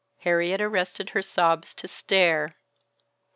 Harriet arrested her sobs to stare.